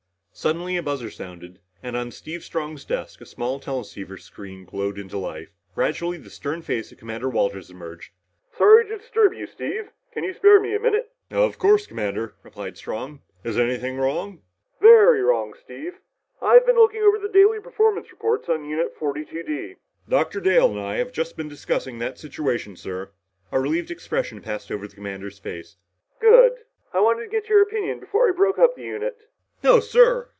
Suddenly a buzzer sounded, and on Steve Strong's desk a small teleceiver screen glowed into life. Gradually the stern face of Commander Walters emerged. "Sorry to disturb you, Steve. Can you spare me a minute?" "Of course, Commander," replied Strong. "Is anything wrong?" "Very wrong, Steve. I've been looking over the daily performance reports on Unit 42 D." "Dr. Dale and I have just been discussing that situation, sir." A relieved expression passed over the commander's face. "Good! I wanted to get your opinions before I broke up the unit." "No, sir!"